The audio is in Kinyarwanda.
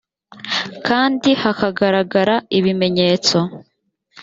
kandi hakagaragara ibimenyetso